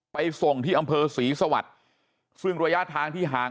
ไปส่งที่อำเภอศรีสวัสดิ์ซึ่งระยะทางที่ห่าง